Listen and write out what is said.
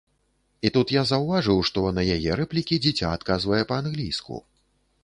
І тут я заўважыў, што на яе рэплікі дзіця адказвае па-англійску.